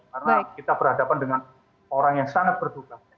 karena kita berhadapan dengan orang yang sangat berduka